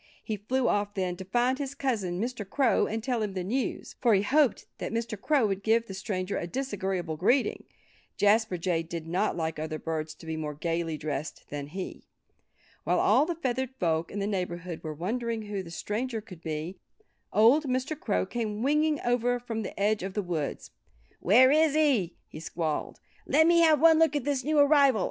He flew off then, to find his cousin Mr. Crow and tell him the news. For he hoped that Mr. Crow would give the stranger a disagreeable greeting. Jasper Jay did not like other birds to be more gayly dressed than he. While all the feathered folk in the neighborhood were wondering who the stranger could be old Mr. Crow came winging over from the edge of the woods. "Where is he?" he squalled. "Let me have one look at this new arrival!